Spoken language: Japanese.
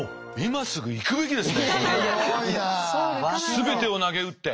全てをなげうって。